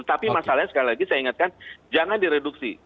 tapi masalahnya sekali lagi saya ingatkan jangan direduksi